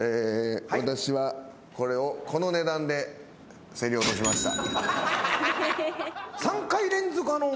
私はこれをこの値段で競り落としました。